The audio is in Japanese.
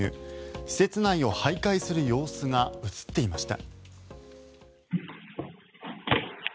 施設内を徘徊する様子が映っていました。